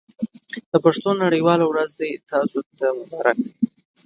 د پښتو نړۍ واله ورځ دې تاسو ته مبارک وي.